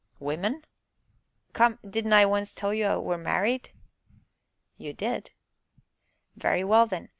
"Women?" "Come, didn't I 'once tell you I were married?" "You did." "Very well then!